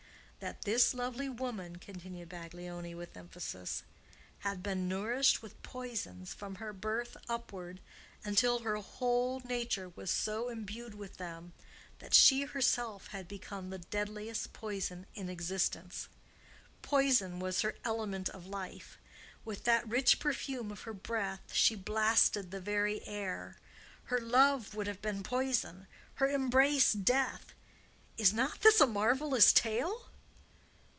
"That this lovely woman," continued Baglioni, with emphasis, "had been nourished with poisons from her birth upward, until her whole nature was so imbued with them that she herself had become the deadliest poison in existence. Poison was her element of life. With that rich perfume of her breath she blasted the very air. Her love would have been poison—her embrace death. Is not this a marvellous tale?"